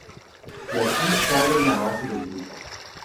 De aquí sale la base del grupo.